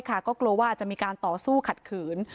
ก็กลัวว่าจะมีการต่อสู้ขัดขืน